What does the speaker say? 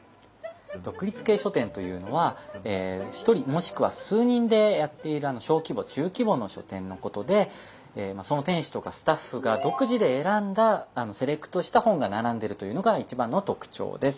独立系書店というのは１人もしくは数人でやっている小規模・中規模の書店のことでその店主とかスタッフが独自で選んだセレクトした本が並んでいるというのが一番の特徴です。